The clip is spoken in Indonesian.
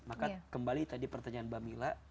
maka kembali tadi pertanyaan mbak mila